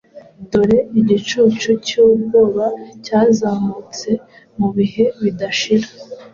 Dore, igicucu cyubwoba cyazamutse Mubihe bidashira!